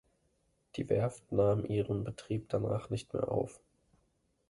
Die Werft nahm ihren Betrieb danach nicht mehr auf.